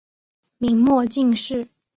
明末进士。